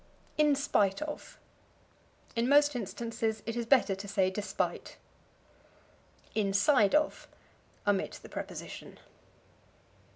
In Spite of. In most instances it is better to say despite. Inside of. Omit the preposition.